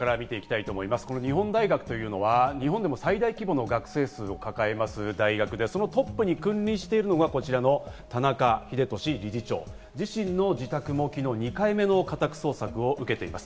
日本大学というのは日本でも最大規模の学生数を抱えます大学で、そのトップに君臨しているのがこちらの田中英壽理事長、自身の自宅も昨日２回目の家宅捜索を受けています。